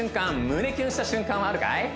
胸キュンした瞬間はあるかい？